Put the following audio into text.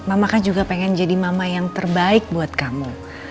mama kamu juga pengen jadi mama yang terbaik buat kamu